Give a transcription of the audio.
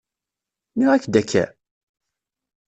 Nniɣ-ak-d akka?